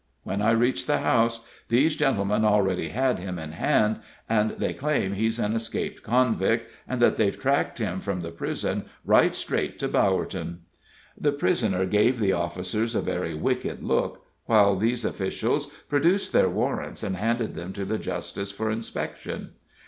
When I reached the house, these gentlemen already had him in hand, and they claim he's an escaped convict, and that they've tracked him from the prison right straight to Bowerton." The prisoner gave the officers a very wicked look, while these officials produced their warrants and handed them to the justice for inspection.